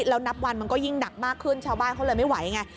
แล้วนับวันมันก็ยิ่งหนักมากขึ้นชาวบ้านเขาเลยไม่ไหวไง